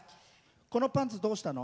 このパンツどうしたの？